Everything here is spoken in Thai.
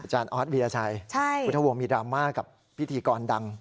อาจารย์ออสวิราชัยวุฒาวงศ์มีดราม่ากับพิธีกรดัง